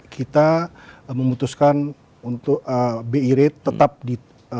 kita memutuskan untuk bi red tetap di tujuh lima